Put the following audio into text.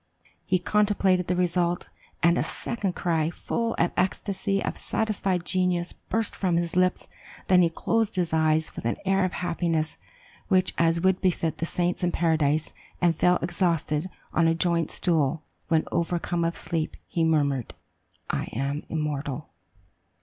He contemplated the result, and a second cry, full of the ecstasy of satisfied genius, burst from his lips; then he closed his eyes with an air of happiness such as would befit the saints in paradise, and fell exhausted on a joint stool; when overcome of sleep, he murmured, 'I am immortal!